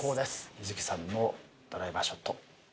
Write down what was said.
柚月さんのドライバーショット。